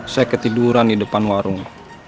saya ketiduran di depan warung